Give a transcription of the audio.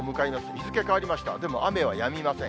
日付変わりました、でも雨はやみません。